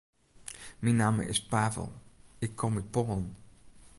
Myn namme is Pavel, ik kom út Poalen.